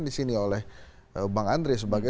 disini oleh bang andri sebagai